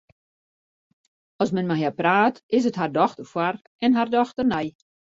As men mei har praat, is it har dochter foar en har dochter nei.